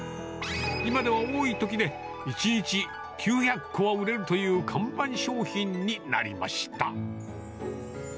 今では多いときで、１日９００個は売れるという看板商品になりました。